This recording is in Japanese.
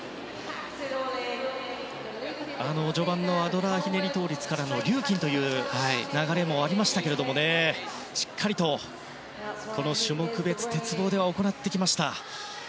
序盤のアドラーひねり倒立からのリューキンという流れもありましたけれどもしっかりとこの種目別の鉄棒では行ってきました。